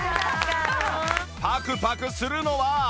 パクパクするのは